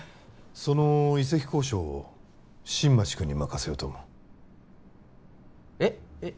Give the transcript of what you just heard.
その移籍交渉を新町君に任せようと思うえっえっ